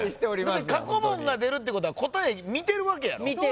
過去問が出るってことは答え見てるわけやろ？